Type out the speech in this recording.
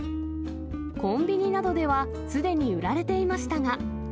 コンビニなどではすでに売られていましたが。